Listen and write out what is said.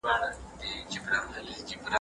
د ملکیار په شعر کې د ګړدود ځینې نښې لېدل کېږي.